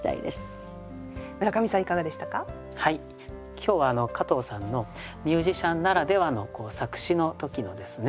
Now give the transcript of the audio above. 今日加藤さんのミュージシャンならではの作詞の時のですね